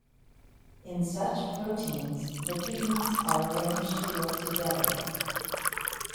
In such proteins, the pigments are arranged to work together.